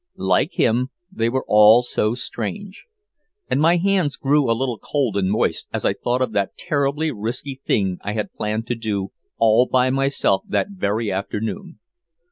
Like him, they were all so strange. And my hands grew a little cold and moist as I thought of the terribly risky thing I had planned to do all by myself that very afternoon.